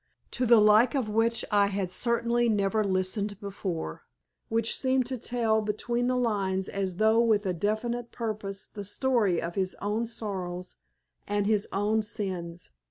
to the like of which I had certainly never listened before, which seemed to tell between the lines as though with a definite purpose the story of his own sorrows and his own sins.